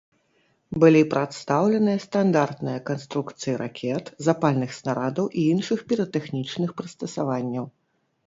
Былі прадстаўленыя стандартныя канструкцыі ракет, запальных снарадаў і іншых піратэхнічных прыстасаванняў.